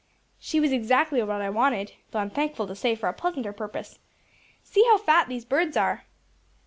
"She was exactly what I wanted, though I am thankful to say for a pleasanter purpose. See how fat these birds are!"